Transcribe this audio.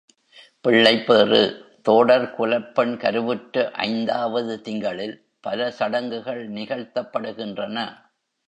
பிள்ளைப்பேறு தோடர் குலப்பெண் கருவுற்ற ஐந்தாவது திங்களில், பல சடங்குகள் நிகழ்த்தப்படுகின்றன.